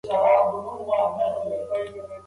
پروفیسر نګ وویل، نوی رنګ د ریښتیني نړۍ په پرتله ژور دی.